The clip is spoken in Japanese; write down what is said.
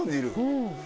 うん。